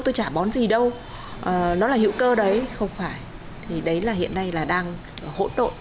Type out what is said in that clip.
tôi chả món gì đâu nó là hữu cơ đấy không phải thì đấy là hiện nay là đang hỗn độn